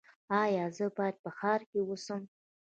ایا زه باید په ښار کې اوسم؟